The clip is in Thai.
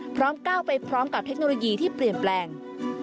ก้าวไปพร้อมกับเทคโนโลยีที่เปลี่ยนแปลง